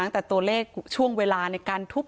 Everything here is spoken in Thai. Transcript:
ตั้งแต่ตัวเลขช่วงเวลาในการทุบ